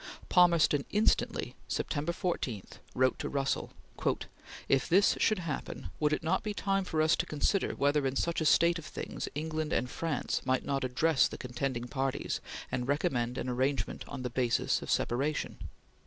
Palmerston instantly, September 14, wrote to Russell: "If this should happen, would it not be time for us to consider whether in such a state of things England and France might not address the contending parties and recommend an arrangement on the basis of separation?"